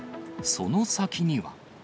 その先には。